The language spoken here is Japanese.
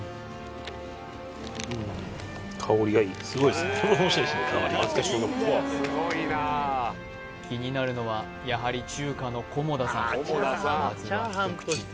ですが香りがいい気になるのはやはり中華の菰田さん